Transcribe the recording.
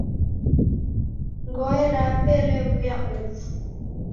Ngoe rape rew'uya uvu.